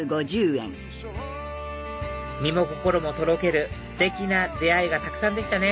身も心もとろけるステキな出会いがたくさんでしたね